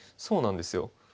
そうなんですよ。